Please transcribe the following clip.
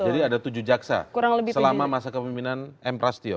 ada tujuh jaksa selama masa kepemimpinan m prasetyo